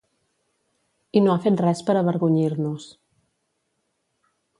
I no ha fet res per avergonyir-nos.